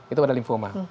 itu pada lymphoma